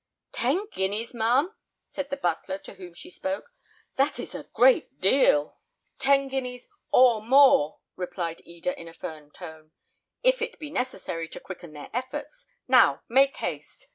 "Ten guineas, ma'am?" said the butler, to whom she spoke. "That is a great deal." "Ten guineas, or more," replied Eda, in a firm tone, "if it be necessary to quicken their efforts. Now, make haste."